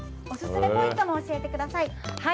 お勧めポイントも教えてください。